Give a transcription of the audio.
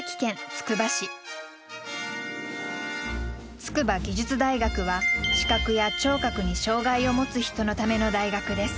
筑波技術大学は視覚や聴覚に障害を持つ人のための大学です。